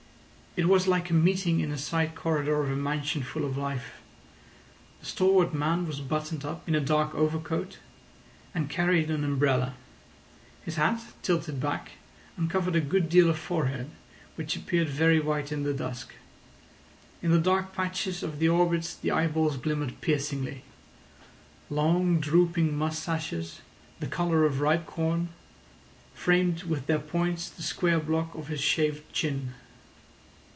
It was like a meeting in a side corridor of a mansion full of life. The stalwart man was buttoned up in a dark overcoat, and carried an umbrella. His hat, tilted back, uncovered a good deal of forehead, which appeared very white in the dusk. In the dark patches of the orbits the eyeballs glimmered piercingly. Long, drooping moustaches, the colour of ripe corn, framed with their points the square block of his shaved chin.